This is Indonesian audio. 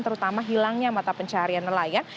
terutama hilangnya mata pencaharian nelayan